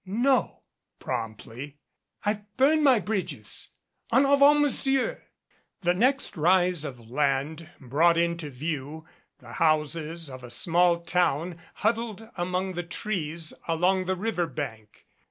"No," promptly. "I've burned my bridges. En avant, Monsieur." The next rise of land brought into view the houses of a small town huddled among the trees along the river bank.